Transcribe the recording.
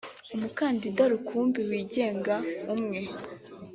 umukandida rukumbi wigenga umwe